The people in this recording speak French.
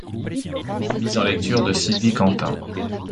Mise en lecture de Sylvie Cantin.